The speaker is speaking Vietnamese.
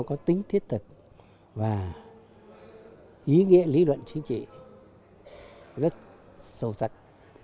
có tính thiết thực và ý nghĩa lý luận chính trị rất sâu sắc